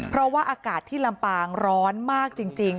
เพราะว่าอากาศที่ลำปางร้อนมากจริง